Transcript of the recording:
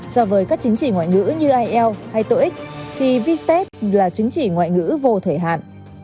so với các chứng chỉ ngoại ngữ như ielts hay toeic thì vstep là chứng chỉ ngoại ngữ vô thể hạn